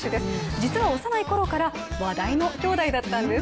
実は幼いころから話題の兄弟だったんです。